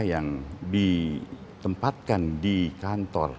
yang ditempatkan di kantor